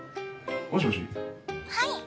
はい。